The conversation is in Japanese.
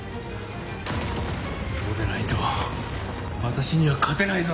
そうでないと私には勝てないぞ。